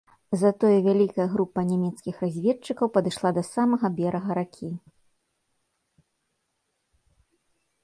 Затое вялікая група нямецкіх разведчыкаў падышла да самага берага ракі.